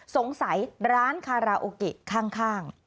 สงสัยร้านคาราโอเกะข้าง